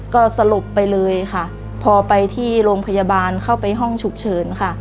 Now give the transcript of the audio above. ก็สลบไปเลยค่ะพอไปที่โรงพยาบาลเข้าไปห้องฉุกเฉินค่ะ